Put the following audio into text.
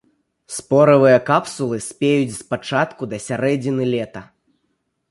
Споравыя капсулы спеюць з пачатку да сярэдзіны лета.